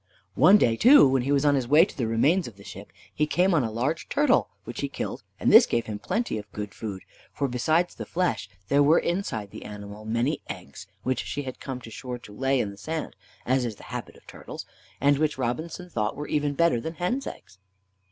One day, too, when he was on his way to the remains of the ship, he came on a large turtle, which he killed, and this gave him plenty of good food, for besides the flesh, there were, inside the animal, many eggs, which she had come to the shore to lay in the sand, as is the habit of turtles, and which Robinson thought were even better than hen's eggs.